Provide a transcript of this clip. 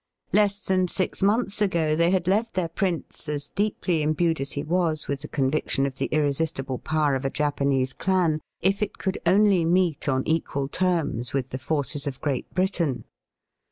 Less than six months ago they had left their prince as deeply imbued as he was with the conviction of the irresistible power of a Japanese clan, if it could only meet on equal terms with the forces of Great Britain.